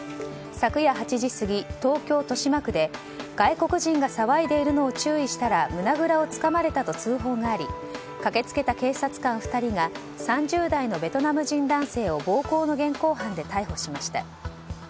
昨夜８時過ぎ、東京・豊島区で外国人が騒いでいるのを注意したら胸ぐらをつかまれたと通報があり駆けつけた警察官２人が３０代のベトナム人男性を暴行の現行犯で逮捕しました。